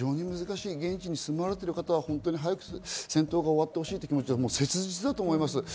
現地に住まわれている方は早く戦争が終わってほしいという気持ちは切実だと思います。